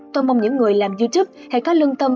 tôi mong những người làm youtub hãy có lương tâm